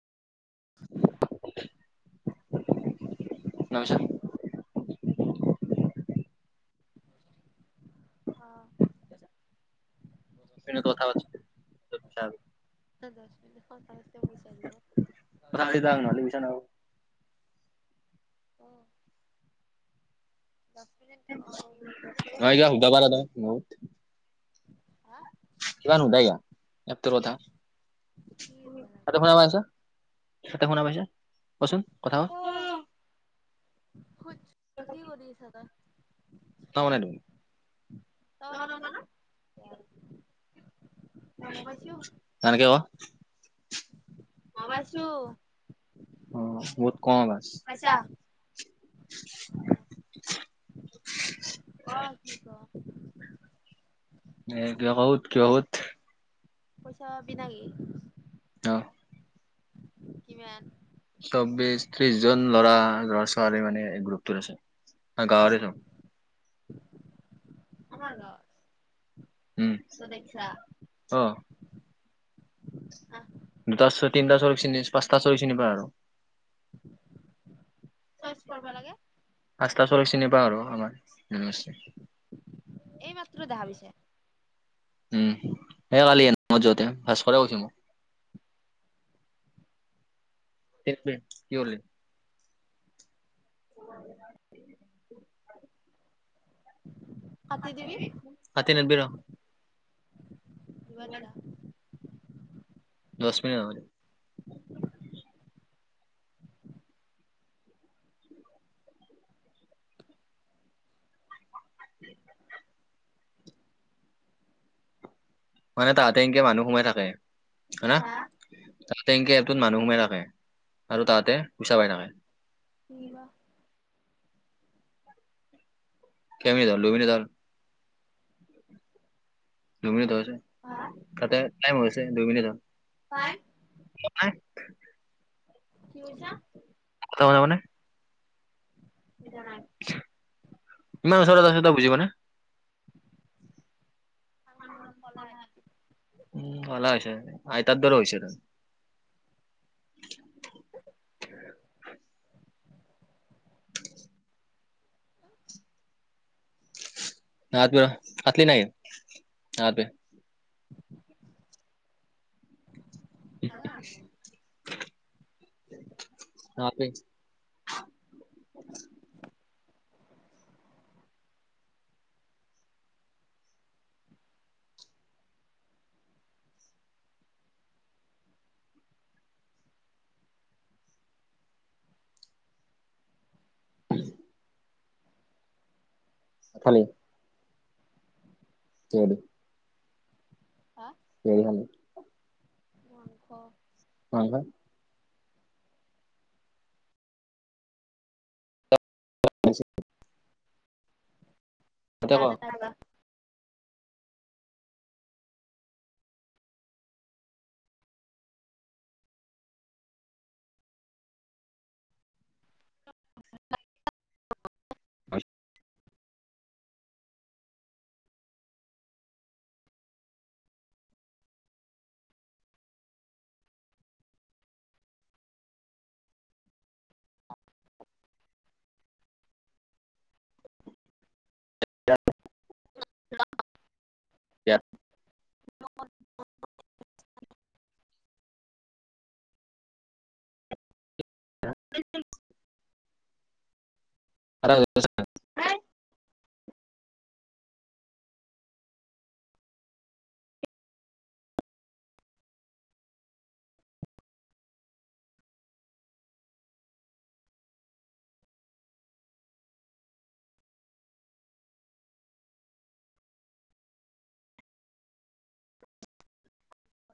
[inaudible] [inaudible] শুনা পাইছা? অ'। [unintelligible] [unintelligible] কথা পাতি থাক নহ'লি পইচা [unintelligible] অ'। দছ মিনিট অ দছ মিনিট হলে দাবা দাদা মোত হা কিমান উদাইয়া এপ টোৰ কথা কি বনাম বাইদেও শুনা পাইছ এতে শুনা পাইছা কচোন কথা হুচ অ কি কৰি আছ তই? মানে দেখোন তই বনা পোৱা না য়াহ টান কে ক' মই মবাইলটো পাইছো অ বহুত কম আছ পাইছা [unintelligible] ক কি ক এ কিবা কউ কিবা সুধ পইচা বিনালি অ কিমান চৌব্বশ, ত্ৰিশ জন ল'ৰা ল'ৰা ছোৱালী মানে এই গ্ৰুপটোত আছে আমাৰ গাঁৱৰে চব। আমাৰ কিমান লৱা ঘৰত উম তই দেখছা চবেচ্ছা অ আহ দুটা চয়, তিনটা চইক চিনি পাঁচটা চইক চিনি পাৱ আৰু। চইচ চাচ কৰিব কৰবা লাগে পাঁচটা চলিক চিনি পাওঁ আৰু আমাৰ এই মাত্ৰ দেখা পাইছে। উম সে কালি এ মই যাওঁতে ভাস্কৰে কৈছে মোক সেইটোৱে কি কৰলি [unintelligible] কাটি দিবি। কাটি নেদবি ৰহ্। ইমান ছা দছ মিনিট নহলে [unintelligible] মানে তাহাঁতে এনকে মানুহ সোমাই থাকে হ না। হা তাতে এনকে এপটোত মানুহ সোমাই থাকে আৰু তাহতে পইচা পাই থাকে। নিবা কেই মিনিট হল দুই মিনিট হল দুই মিনিট হৈছে হা তাতে টাইম হৈ গৈছে দুই মিনিট ৰ পাইম [unintelligible] কি কৈছা? তই তামানে বুজা নাই ইমান ওচৰতে আছে তই বুজি পোৱা নাই? কাণখন অলপ কলা হৈছে উম কলা হৈছে আইতাৰ দৰে হৈছে তই না দিয়া কাটলি নাই না দে খালা আকৌ [unintelligible] [unintelligible] [inaudible] থালি। [inaudible] হা। বিৰিয়ানী। [unintelligible] মাছ ভা [unintelligible] তই গান এটা গা। [unintelligible] [unintelligible] [unintelligible]